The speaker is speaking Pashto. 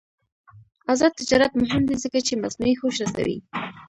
آزاد تجارت مهم دی ځکه چې مصنوعي هوش رسوي.